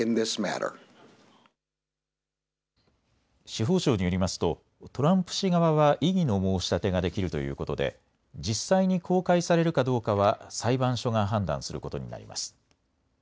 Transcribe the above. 司法省によりますとトランプ氏側は異議の申し立てができるということで実際に公開されるかどうかは裁判所が判断することになります。